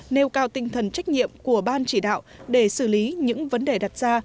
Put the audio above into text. nêu cao tinh thần trách nhiệm của ban chỉ đạo để xử lý những vấn đề đặt ra